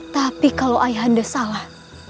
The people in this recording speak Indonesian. tapi kalau ayah anda salah